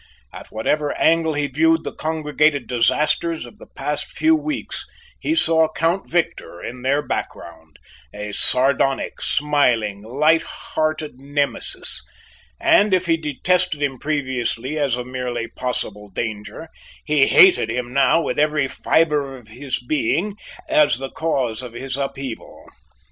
At whatever angle he viewed the congregated disasters of the past few weeks, he saw Count Victor in their background a sardonic, smiling, light hearted Nemesis; and if he detested him previously as a merely possible danger, he hated him now with every fibre of his being as the cause of his upheaval.